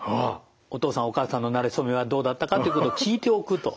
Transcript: お父さんお母さんのなれ初めはどうだったかということを聞いておくと。